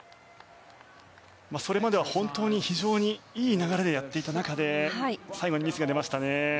それまでは本当に非常にいい流れでやっていた中で最後にミスが出ましたね。